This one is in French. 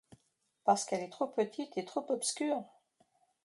Parce qu’elle est trop petite et trop obscure.